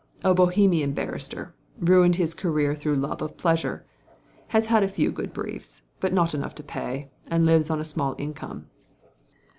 A Bohemian barrister : ruined his career through love of pleasure. Has had a few briefs, but not enough to pay« and lives on a small income."